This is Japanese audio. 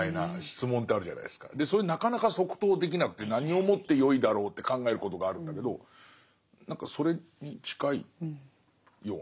それなかなか即答できなくて何をもってよいだろうって考えることがあるんだけど何かそれに近いような。